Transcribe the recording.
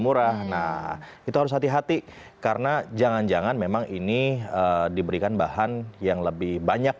murah nah itu harus hati hati karena jangan jangan memang ini diberikan bahan yang lebih banyak